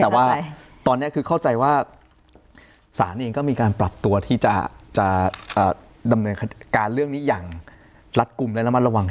แต่ว่าตอนนี้คือเข้าใจว่าศาลเองก็มีการปรับตัวที่จะดำเนินการเรื่องนี้อย่างรัดกลุ่มและระมัดระวัง